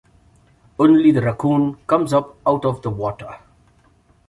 Only the raccoon comes up out of the water.